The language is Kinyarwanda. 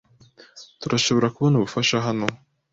Turashobora kubona ubufasha hano?